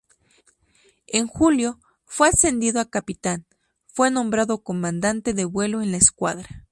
En julio, fue ascendido a capitán, fue nombrado comandante de vuelo en la escuadra.